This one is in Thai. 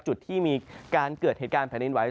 จุดที่มีการเกิดเหตุการณ์แผ่นดินไหว